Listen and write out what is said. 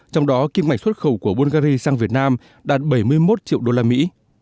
trong đó kim ngạch xuất khẩu của bungary sang việt nam đạt bảy mươi một triệu đô la mỹ